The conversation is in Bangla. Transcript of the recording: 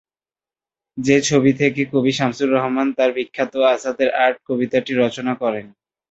যে ছবি থেকে কবি শামসুর রহমান তার বিখ্যাত 'আসাদের শার্ট' কবিতাটি রচনা করেন।